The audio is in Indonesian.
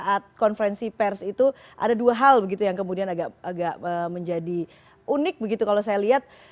saat konferensi pers itu ada dua hal begitu yang kemudian agak menjadi unik begitu kalau saya lihat